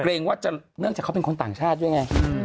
เนื่องจากเนื่องจากเขาเป็นคนต่างชาติด้วยไง